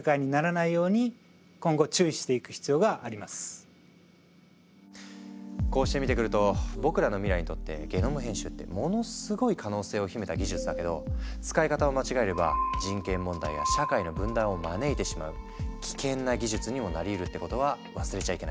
更に問題なのはこうして見てくると僕らの未来にとってゲノム編集ってものすごい可能性を秘めた技術だけど使い方を間違えれば人権問題や社会の分断を招いてしまう危険な技術にもなりうるってことは忘れちゃいけないね。